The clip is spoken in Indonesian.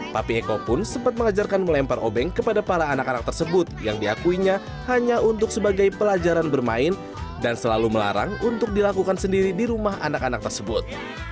tapi eko pun sempat mengajarkan melempar obeng kepada para anak anak tersebut yang diakuinya hanya untuk sebagai pelajaran bermain dan selalu melarang untuk dilakukan sendiri di rumah anak anak tersebut